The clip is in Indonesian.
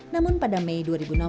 namun pada mei dua ribu enam belas